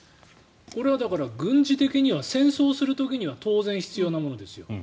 これは軍事的には戦争する時には当然必要なものですよ。